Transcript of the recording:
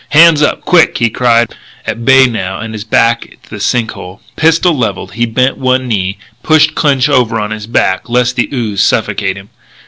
"Hands up! Quick!" he cried, at bay now, and his back to the sink hole. Pistol levelled, he bent one knee, pushed Clinch over on his back, lest the ooze suffocate him.